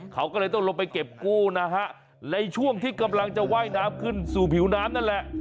เขาก็เลยต้องลงไปเก็บกู้นะฮะในช่วงที่กำลังจะว่ายน้ำขึ้นสู่ผิวน้ำนั่นแหละ